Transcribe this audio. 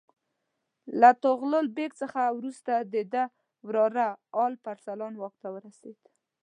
له طغرل بیګ څخه وروسته د ده وراره الپ ارسلان واک ته ورسېد.